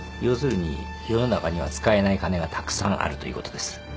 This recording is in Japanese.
要するに世の中には使えない金がたくさんあるということです。